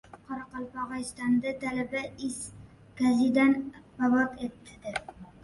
Qoraqalpog‘istonda talaba is gazidan vafot etdi